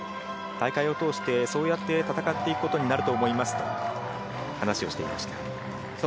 大会を通してそうやって戦っていくことになると思いますと話をしていました。